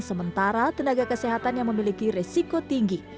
sementara tenaga kesehatan yang memiliki resiko tinggi